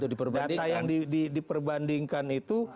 data yang diperbandingkan itu